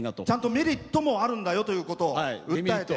メリットもあるんだよということを訴えて。